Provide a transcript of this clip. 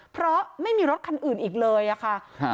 เพราะไม่มีรถคันอื่นอีกเลยอะค่ะ